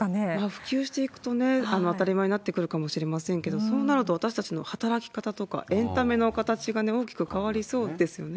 普及していくとね、当たり前になってくるかもしれませんけれども、そうなると、私たちの働き方とか、エンタメの形が大きく変わりそうですよね。